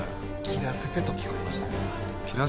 「切らせて」と聞こえましたが。